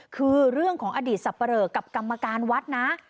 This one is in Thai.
คือเรื่องของอดีตสับปะเรอกับกรรมการวัดนะ